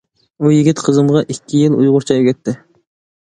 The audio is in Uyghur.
ئۇ يىگىت قىزىمغا ئىككى يىل ئۇيغۇرچە ئۆگەتتى.